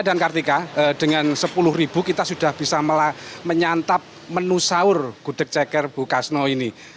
dan kartika dengan sepuluh kita sudah bisa malah menyantap menu sahur kudek ceker bukasno ini